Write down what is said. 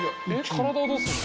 体はどうすんの？